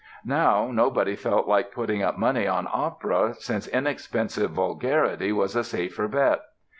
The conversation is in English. Now nobody felt like putting up money on opera, since inexpensive vulgarity was a safer bet.